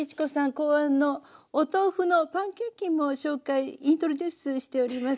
考案のお豆腐のパンケーキも紹介ｉｎｔｒｏｄｕｃｅしております。